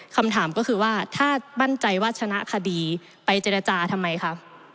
คำถามก็คือว่าถ้ามั่นใจว่าชนะคดีไปเจรจาทำไมคะ